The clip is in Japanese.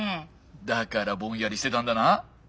だからぼんやりしてたんだな。